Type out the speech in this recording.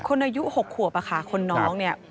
อายุ๖ขวบอะค่ะคนน้องเนี่ย